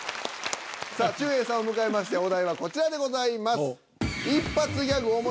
さあちゅうえいさんを迎えましてお題はこちらでございます。